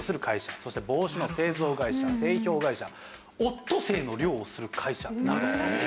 そして帽子の製造会社製氷会社オットセイの漁をする会社など。